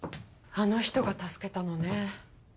あの人が助けたのね。